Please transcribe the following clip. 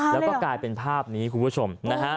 แล้วก็กลายเป็นภาพนี้ครูผู้ชม